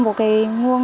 một cái nguồn